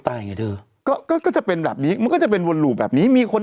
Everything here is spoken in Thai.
ไงเธอก็ก็จะเป็นแบบนี้มันก็จะเป็นวนหลู่แบบนี้มีคน